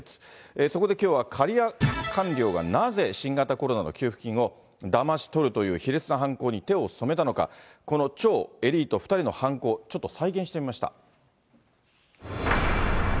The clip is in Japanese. そこできょうは、キャリア官僚がなぜ新型コロナの給付金をだまし取るという卑劣な犯行に手を染めたのか、この超エリート２人の犯行、ちょっと再現してみました。